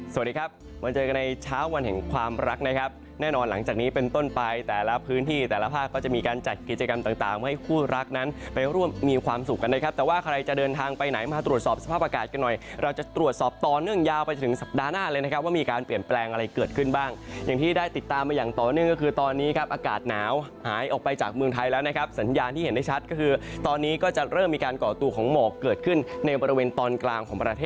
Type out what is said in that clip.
สวัสดีครับมาเจอกันในเช้าวันแห่งความรักนะครับแน่นอนหลังจากนี้เป็นต้นไปแต่ละพื้นที่แต่ละภาพก็จะมีการจัดกิจกรรมต่างให้คู่รักนั้นไปร่วมมีความสุขกันนะครับแต่ว่าใครจะเดินทางไปไหนมาตรวจสอบสภาพอากาศกันหน่อยเราจะตรวจสอบต่อเนื่องยาวไปถึงสัปดาห์หน้าเลยนะครับว่ามีการเปลี่ยนแปลงอะไรเก